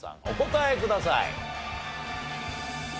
お答えください。